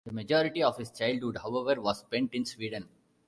The majority of his childhood, however, was spent in Sweden.